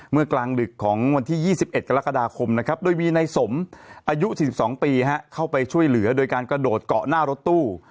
กลางดึกของวันที่๒๑กรกฎาคมนะครับโดยมีในสมอายุ๔๒ปีเข้าไปช่วยเหลือโดยการกระโดดเกาะหน้ารถตู้